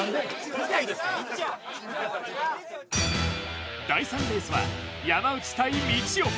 見たいですか第３レースは山内対みちお